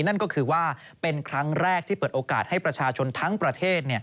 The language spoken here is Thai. นั่นก็คือว่าเป็นครั้งแรกที่เปิดโอกาสให้ประชาชนทั้งประเทศ